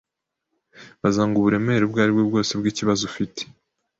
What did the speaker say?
Bazanga uburemere ubwo aribwo bwose bwikibazo ufite